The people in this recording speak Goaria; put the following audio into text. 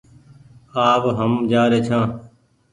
آ و هم جآ ري ڇآن ۔